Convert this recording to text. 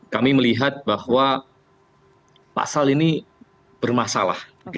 kami melihat bahwa pasal ini bermasalah